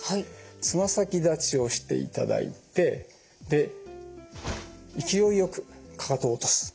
つま先立ちをしていただいてで勢いよくかかとを落とす。